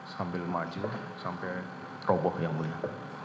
sambil maju sampai roboh yang mulia